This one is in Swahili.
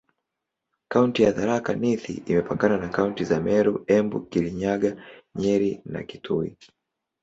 Kaunti ya Tharaka Nithi imepakana na kaunti za Meru, Embu, Kirinyaga, Nyeri na Kitui.